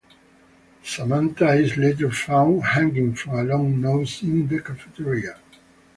Samantha is later found hanging from a long noose in the cafeteria.